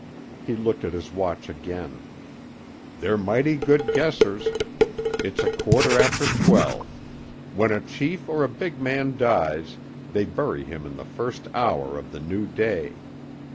He looked at his watch again. "They're mighty good guessers. It's a quarter after twelve. When a chief or a big man dies they bury him in the first hour of the new day.